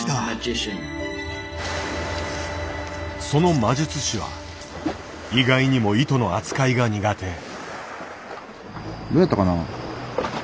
その魔術師は意外にも糸の扱いが苦手。